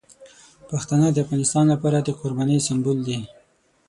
پښتانه د افغانستان لپاره د قربانۍ سمبول دي.